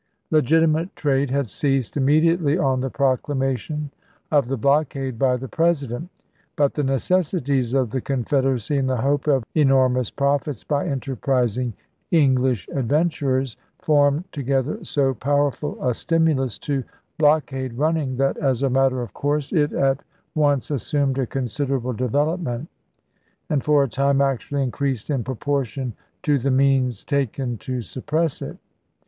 Legitimate trade had ceased immediately on the proclamation of the blockade by the President ; but the necessities of the Confederacy and the hope of enormous profits by enterprising English adven turers formed together so powerful a stimulus to blockade running that, as a matter of course, it at once assumed a considerable development, and for a time actually increased in proportion to the means taken to suppress it.